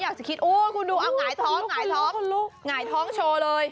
อยากจะคิดโอ้คุณดูเอาหงายท้องหงายท้องหงายท้องโชว์เลย